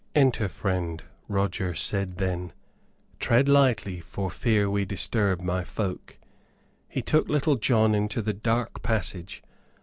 "Enter, friend," Roger said then. "Tread lightly, for fear we disturb my folk." He took Little John into the dark passage.